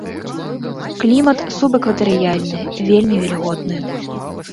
Клімат субэкватарыяльны, вельмі вільготны.